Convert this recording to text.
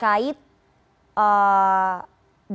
dan mengikuti apa yang terjadi